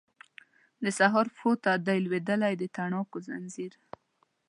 د سهار پښو ته دی لویدلی د تڼاکو ځنځیر